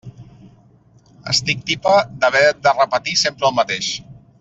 Estic tipa d'haver de repetir sempre el mateix.